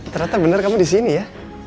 ternyata benar kamu di sini ya